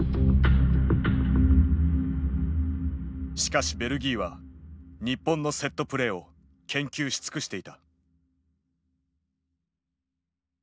しかしベルギーは日本のセットプレーを研究し尽くしていた。